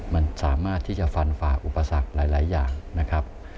มันสามารถที่จะฟันฝ่าอุปสรรคหลายอย่างนะครับ